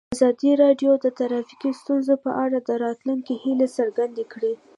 ازادي راډیو د ټرافیکي ستونزې په اړه د راتلونکي هیلې څرګندې کړې.